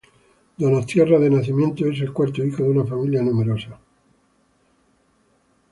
Donostiarra de nacimiento es el cuarto hijo de una familia numerosa.